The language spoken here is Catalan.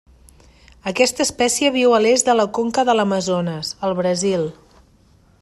Aquesta espècie viu a l'est de la conca de l'Amazones, al Brasil.